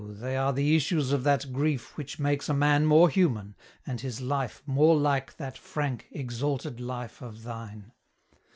they are the issues of that grief Which makes a man more human, and his life More like that frank, exalted life of thine.